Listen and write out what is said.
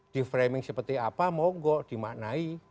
di framing seperti apa mogok dimaknai